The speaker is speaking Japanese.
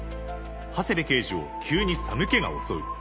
長谷部刑事を急に寒気が襲う。